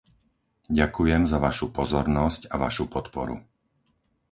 Ďakujem za vašu pozornosť a vašu podporu.